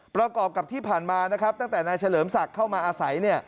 ประกอบกับที่ผ่านมานะครับตั้งแต่นายเฉลิมศักดิ์เข้ามาอาศัย